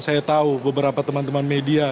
saya tahu beberapa teman teman media